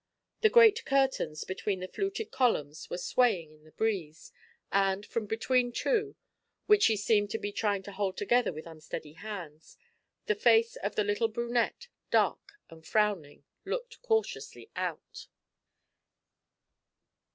The great curtains between the fluted columns were swaying in the breeze, and from between two, which she seemed to be trying to hold together with unsteady hands, the face of the little brunette, dark and frowning, looked cautiously out.